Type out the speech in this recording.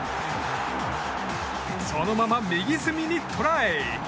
そのまま、右隅にトライ！